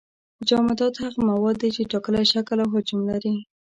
جامدات هغه مواد دي چې ټاکلی شکل او حجم لري.